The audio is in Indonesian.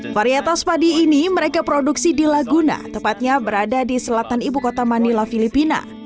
varietas padi ini mereka produksi di laguna tepatnya berada di selatan ibu kota manila filipina